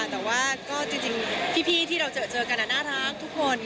แต่ว่าก็จริงพี่ที่เราเจอกันน่ารักทุกคน